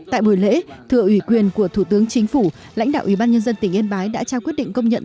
tại buổi lễ thưa ủy quyền của thủ tướng chính phủ lãnh đạo ủy ban nhân dân tỉnh yên bái đã trao quyết định công nhận